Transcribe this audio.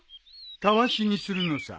たわしにするのさ。